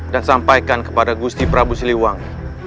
dan sampaikan kepada gusti prabu suliwangi